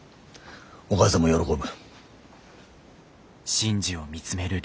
お母さんも喜ぶ。